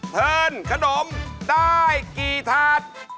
เทินขนมได้กี่ถาด